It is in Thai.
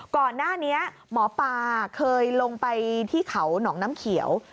ก่อนหน้านี้หมอปลาเคยลงไปที่เขาหนองน้ำเขียว